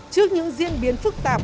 trước những diễn biến phức tạp